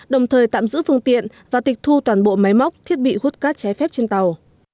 đồng thời tạm giữ phương tiện và tịch thu toàn bộ máy móc thiết bị hút cát trái phép trên tàu